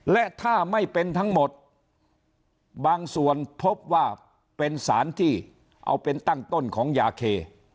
และถ้าไม่เป็นทั้งหมดบางส่วนพบว่าเป็นสารที่เอาเป็นตั้งต้นของยาเค